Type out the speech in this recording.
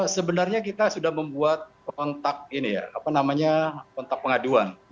sebenarnya kita sudah membuat kontak pengaduan